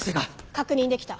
確認できた。